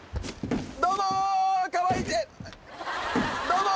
どうも。